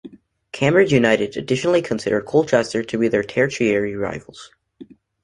Cambridge United additionally considered Colchester to be their tertiary rivals.